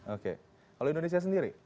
oke kalau indonesia sendiri